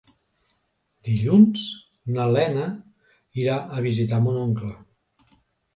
Dilluns na Lena irà a visitar mon oncle.